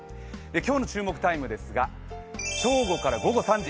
今日の注目タイムですが、正午から午後３時。